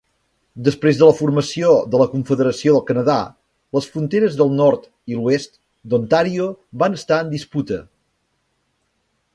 Després de la formació de la Confederació del Canadà, les fronteres del nord i l'oest d'Ontàrio van estar en disputa.